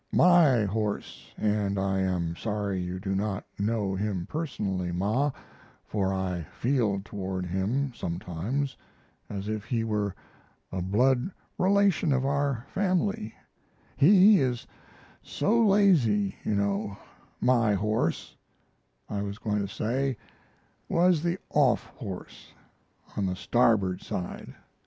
My horse and I am sorry you do not know him personally, Ma, for I feel toward him, sometimes, as if he were a blood relation of our family he is so lazy, you know my horse I was going to say, was the "off" horse on the starboard side.